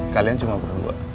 kalian cuma berdua